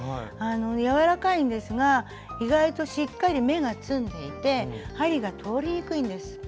柔らかいんですが意外としっかり目がつんでいて針が通りにくいんです。